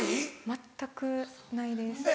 全くないです。